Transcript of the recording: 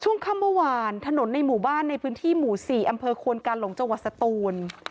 ช่วงค่ำเมื่อวานถนนในหมู่บ้านในพื้นที่หมู่๔อำเภอควนกาหลงจังหวัดสตูน